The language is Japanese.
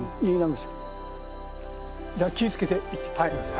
じゃあ気ぃ付けていってきて下さい。